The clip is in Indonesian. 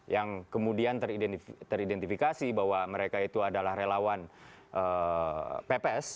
yang kemudian teridentifikasi bahwa mereka itu adalah relawan pps